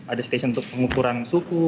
ada stasiun untuk pengukuran suhu